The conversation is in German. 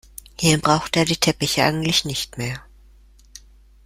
Hier brauchte er die Teppiche eigentlich nicht mehr.